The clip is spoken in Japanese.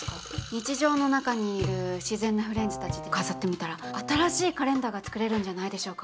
日常の中にいる自然なフレンズたちで飾ってみたら新しいカレンダーが作れるんじゃないでしょうか。